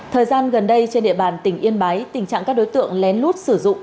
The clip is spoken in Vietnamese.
thời gian gần đây trên địa bàn tỉnh yên bái tình trạng các đối tượng lén lút sử dụng